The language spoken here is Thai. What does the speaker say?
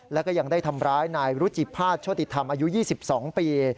แล้วก็ยังได้ทำร้ายนายรุจิภาษโชติธรรมอายุ๒๒ปี